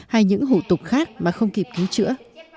hay những hủ tục khác mà không kịp cứu chữa